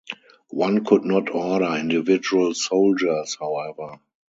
One could not order individual soldiers, however.